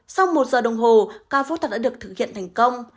sau một giờ đồng hồ ca phẫu thuật đã được thực hiện thành công